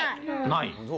ない。